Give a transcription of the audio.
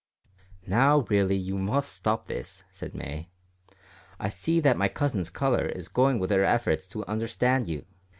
"Now, really, you must stop this," said May; "I see that my cousin's colour is going with her efforts to understand you.